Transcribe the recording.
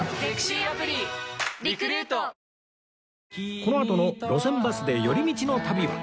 このあとの『路線バスで寄り道の旅』は